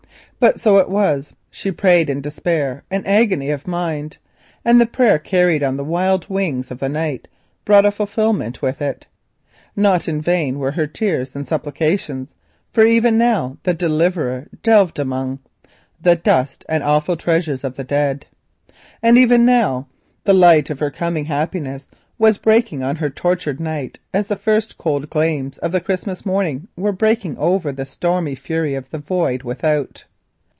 But so it was; she prayed in despair and agony of mind, and the prayer carried on the wild wings of the night brought a fulfilment with it. Not in vain were her tears and supplications, for even now the deliverer delved among "The dust and awful treasures of the dead," and even now the light of her happiness was breaking on her tortured night as the cold gleams of the Christmas morning were breaking over the fury of the storm without.